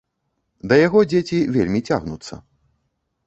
Да яго дзеці вельмі цягнуцца.